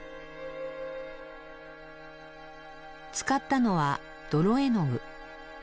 使ったのは泥絵の具。